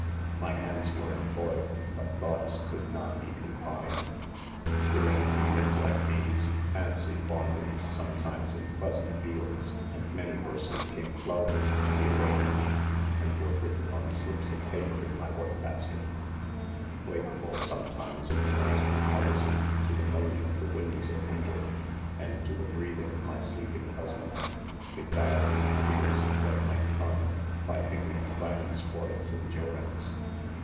My hands were employed, hut thought could not "be confined. 11 During evenings like these, fancy .wander ed sometimes in pleasant fields, and many vers es came flowing to be arranged, and were writ ten on slips of paper in my work basket. Wakeful, sometimes, in the night, I listened to the moaning of the winds of winter, and to the breathing of my sleeping husband ; begui ling my fears of what might come, by think ing of plans for its endurance.